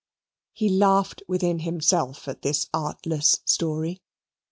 He laughed within himself at this artless story.